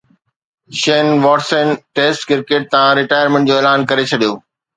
شين Watson test cricket تان retirement جو اعلان ڪري ڇڏيو